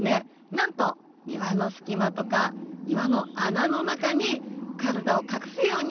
なんと岩の隙間とか岩の穴の中に体を隠すように。